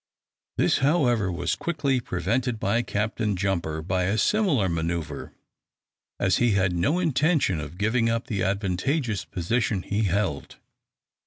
This, however, was quickly prevented by Captain Jumper, by a similar manoeuvre, as he had no intention of giving up the advantageous position he held.